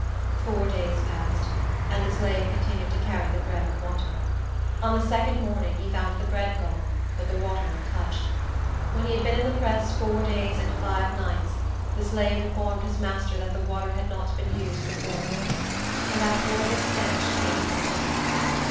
Four days passed, and the slave continued to carry the bread and water. On the second morning, he found the bread gone, but the water untouched. When he had been in the press four days and five night, the slave informed his master that the water had not been used for four mornings, and that horrible stench came from the gin house.